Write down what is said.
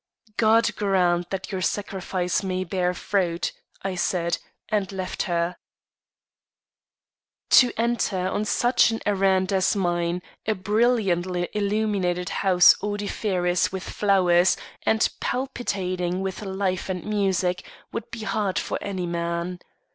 "God grant that your sacrifice may bear fruit," I said, and left her. To enter, on such an errand as mine, a brilliantly illuminated house odoriferous with flowers and palpitating with life and music, would be hard for any man.